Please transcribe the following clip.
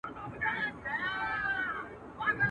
ته تر کومه انتظار کوې بې بخته.